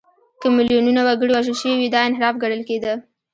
که میلیونونه وګړي وژل شوي وي، دا انحراف ګڼل کېده.